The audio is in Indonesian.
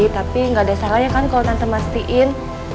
tapi gak ada salahnya kan kalau tante mastiin